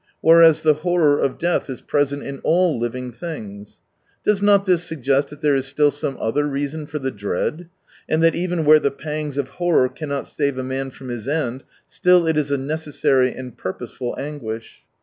Whereas the horror of death is present in all living things. Poes not this suggest that there is still some other reason for the dread, and that even where the pangs of horror cannot save a man from his end, still it is a necessary and purposeful anguish